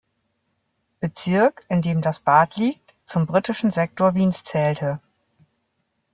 Bezirk, in dem das Bad liegt, zum britischen Sektor Wiens zählte.